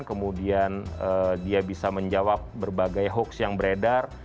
kemudian dia bisa menjawab berbagai hoax yang beredar